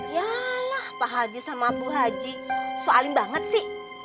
yalah pak haji sama bu haji soalin banget sih